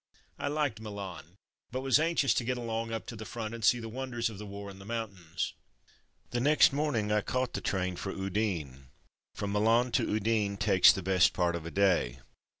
I liked Milan, but was anxious to get along up to the front and see the wonders of the war in the mountains. The next morning I caught the train for Udine. From Milan to Udine takes the best part of a day.